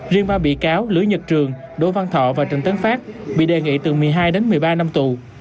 riêng ba bị cáo lưỡi nhật trường đỗ văn thọ và trần tấn phát bị đề nghị từ một mươi hai đến một mươi ba năm tù